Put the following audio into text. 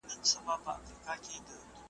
کبابیږي به زړګی د دښمنانو `